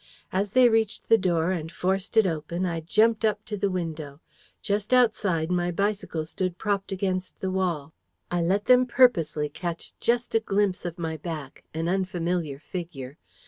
As they reached the door, and forced it open, I jumped up to the window. Just outside, my bicycle stood propped against the wall. I let them purposely catch just a glimpse of my back an unfamiliar figure.